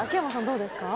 どうですか？